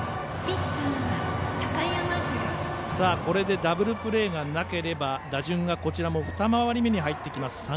これでダブルプレーがなければこちらも打順が２回り目に入ってきます。